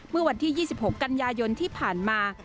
เมื่อวันที่๒๖กันยายนที่ผ่านมา